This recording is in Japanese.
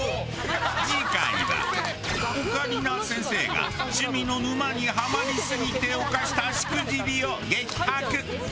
次回はオカリナ先生が趣味の沼にハマりすぎて犯したしくじりを激白！